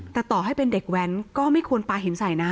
แต่ต่อให้เป็นเด็กแว้นก็ไม่ควรปลาหินใส่นะ